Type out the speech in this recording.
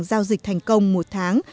giao dịch thành công một tháng